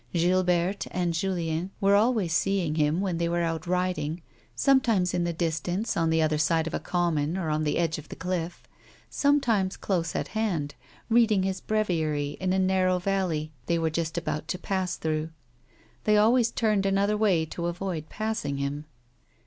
Gilberte and Julien were always seeing him when they were out riding, sometimes in the distance, on tlic other side of a common, or on the edge of the cliflt, sometimes close at hand, reading his breviary in a narrow valley they were just about to pass through ; they always turned another way to avoid passing near him.